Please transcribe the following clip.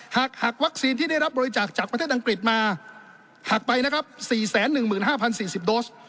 หากวัคซีนที่ได้รับบริจาคจากประเทศอังกฤษมาหักไปนะครับ๔๑๕๐๔๐โดส